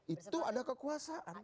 itu ada kekuasaan